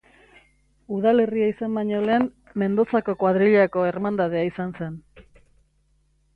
Udalerria izan baino lehen, Mendozako kuadrillako ermandadea izan zen.